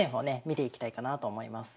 見ていきたいかなと思います